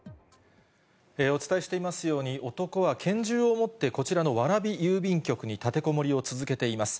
お伝えしていますように、男は拳銃を持ってこちらの蕨郵便局に立てこもりを続けています。